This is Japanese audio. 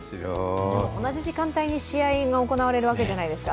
同じ時間帯に試合が行われるわけじゃないですか。